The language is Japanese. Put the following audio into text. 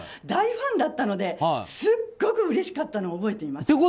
大ファンだったのですごくうれしかったのを覚えています。